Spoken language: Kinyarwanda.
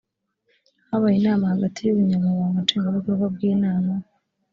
habaye inama hagati y ubunyamabanga nshingwabikorwa bw inama